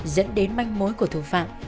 dẫn đến manh mối của thủ phạm